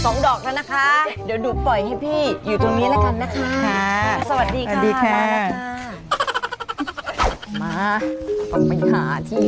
สองดอกแล้วนะคะเดี๋ยวดูปล่อยให้พี่อยู่ตรงนี้นะคะสวัสดีค่ะนอนนะคะ